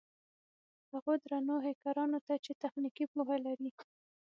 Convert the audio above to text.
هغو درنو هېکرانو ته چې تخنيکي پوهه لري.